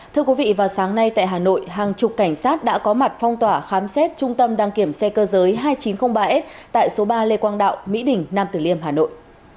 thưa quý vị vào sáng nay tại hà nội hàng chục cảnh sát đã có mặt phong tỏa khám xét trung tâm đăng kiểm xe cơ giới hai nghìn chín trăm linh ba s tại số ba lê quang đạo mỹ đình nam tử liêm hà nội